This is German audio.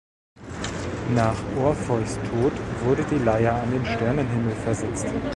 Nach Orpheus’ Tod wurde die Leier an den Sternenhimmel versetzt.